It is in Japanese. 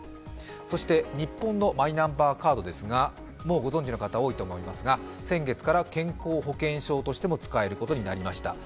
そして日本のマイナンバーカードですが、もうご存じの方多いと思いますが先月から健康保険証としても使えることになりました。